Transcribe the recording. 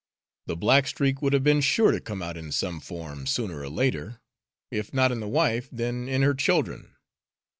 The black streak would have been sure to come out in some form, sooner or later, if not in the wife, then in her children.